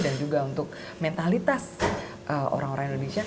dan juga untuk mentalitas orang orang indonesia